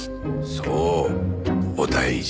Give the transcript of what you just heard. そうお大事に。